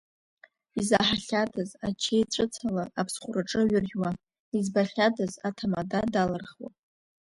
Изаҳахьадаз ачеиҵәыцала аԥсхәраҿы аҩы ржәуа, избахьадаз аҭамада далырхуа.